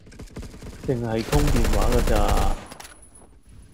淨係通過電話架咋